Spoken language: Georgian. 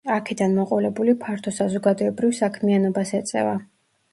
აქედან მოყოლებული ფართო საზოგადოებრივ საქმიანობას ეწევა.